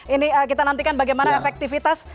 ini kita nantikan bagaimana efektivitas